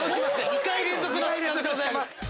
２回連続の失格でございます。